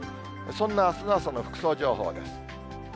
そんなあすの朝の服装情報です。